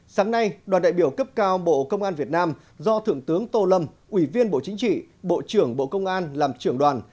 sáng nay đoàn đại biểu cấp cao bộ công an việt nam do thượng tướng tô lâm ủy viên bộ chính trị bộ trưởng bộ công an làm trưởng đoàn